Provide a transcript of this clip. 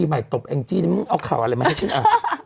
หมายตบแองจี้เอาข่าวอะไรมาให้ฉันอ่ะ